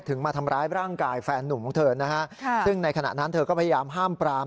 มาทำร้ายร่างกายแฟนนุ่มของเธอนะฮะซึ่งในขณะนั้นเธอก็พยายามห้ามปราม